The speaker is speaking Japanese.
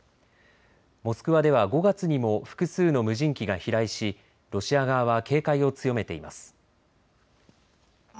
モスクワでは５月にも複数の無人機が飛来し、ロシア側は警戒を強めています。